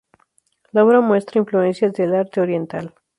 La obra muestra influencias del arte oriental.